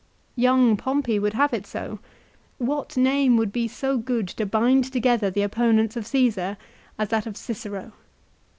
Young Pompey would have it so. What name would be so good to bind together the opponents of Caesar as that of Cicero